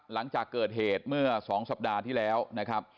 หลังจากเกิดเหตุเมื่อ๒สัปดาห์ที่แล้วนะครับ